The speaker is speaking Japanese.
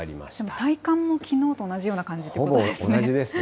体感もきのうと同じような感じということですね。